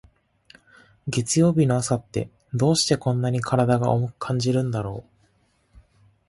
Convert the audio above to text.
月曜日の朝って、どうしてこんなに体が重く感じるんだろう。